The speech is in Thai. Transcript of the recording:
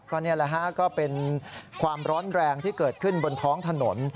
ก็นี่แหละฮะก็เป็นความร้อนแรงที่เกิดขึ้นบนท้องถนน